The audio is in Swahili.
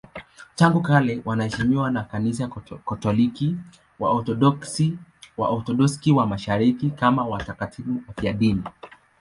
Tangu kale wanaheshimiwa na Kanisa Katoliki, Waorthodoksi na Waorthodoksi wa Mashariki kama watakatifu wafiadini.